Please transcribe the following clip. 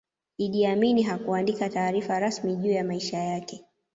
iddi amin hakuandika taarifa rasmi juu ya maisha yake